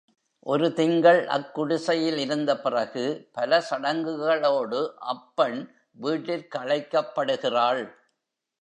ஒரு திங்கள் அக்குடிசையில் இருந்தபிறகு, பல சடங்குகளோடு அப்பெண் வீட்டிற்கழைக்கப்படுகிறாள்.